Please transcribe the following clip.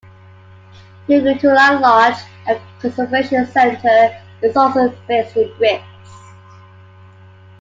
Ukutula Lodge and conservation center is also based in Brits.